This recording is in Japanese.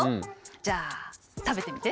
じゃあ食べてみて。